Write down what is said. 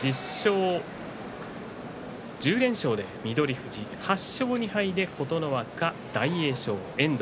１０連勝で翠富士８勝２敗で琴ノ若、大栄翔、遠藤。